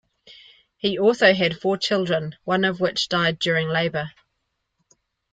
He also had four children, one of which died during labour.